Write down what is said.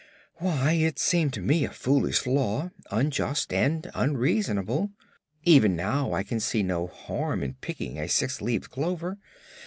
"Why, it seemed to me a foolish law, unjust and unreasonable. Even now I can see no harm in picking a six leaved clover.